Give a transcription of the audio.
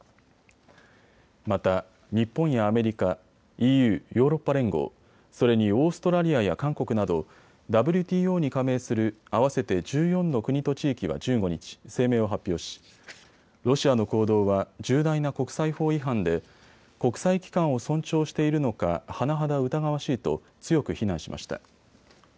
また日本やアメリカ、ＥＵ・ヨーロッパ連合、それにオーストラリアや韓国などＷＴＯに加盟する合わせて１４の国と地域は１５日、声明を発表しロシアの行動は重大な国際法違反で国際機関を尊重しているのか甚だ疑わしいと強く非難しました。